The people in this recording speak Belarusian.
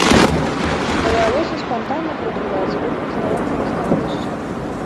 Давялося спантанна прыдумляць выхад з няёмкага становішча.